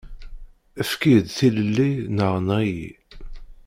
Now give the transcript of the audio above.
Efk-iyi-d tilelli neɣ enɣ-iyi.